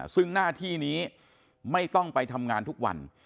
ซึ่งหน้าที่นี้ไม่ต้องไปทำงานทุกวัน